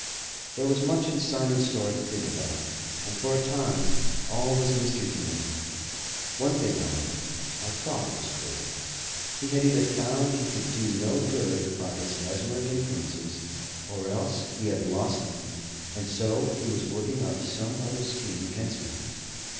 There was much in Simon's story to think about, and for a time all was mystery to me. One thing, however, I thought was clear. He had either found he could do no good by his mesmeric influences, or else he had lost them, and so he was working up some other scheme against me.